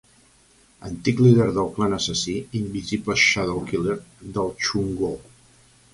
Antic líder del clan assassí Invisible Shadow Killer del Chunjoo.